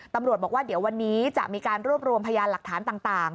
ตำรวจบอกว่าเดี๋ยววันนี้จะมีการรวบรวมพยานหลักฐานต่าง